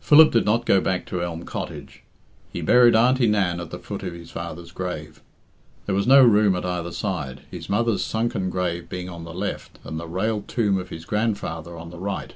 Philip did not go back to Elm Cottage. He buried Auntie Nan at the foot of his father's grave. There was no room at either side, his mother's sunken grave being on the left and the railed tomb of his grandfather on the right.